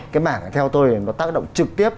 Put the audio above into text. cái mảng theo tôi nó tác động trực tiếp